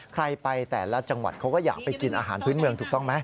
ใครไปแต่ละจังหวัดเขาก็อยากไปกินอาหารพื้นเมืองถูกต้องไหม